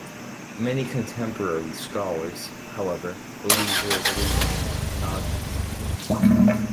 Many contemporary scholars, however, believe it was originally anonymous.